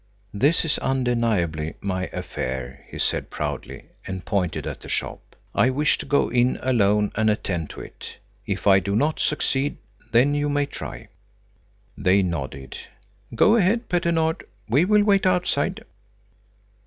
"This is, undeniably, my affair," he said proudly, and pointed at the shop. "I wish to go in alone and attend to it. If I do not succeed, then you may try." They nodded. "Go ahead, Petter Nord! We will wait outside."